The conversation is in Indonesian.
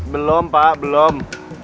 belom pak belum